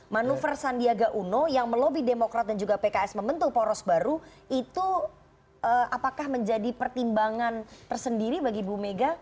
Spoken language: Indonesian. manuver sandiaga uno yang melobi demokrat dan juga pks membentuk poros baru itu apakah menjadi pertimbangan tersendiri bagi bu mega